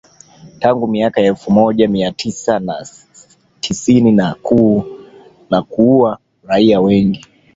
tangu miaka ya elfu moja mia tisa na tisini na kuua raia wengi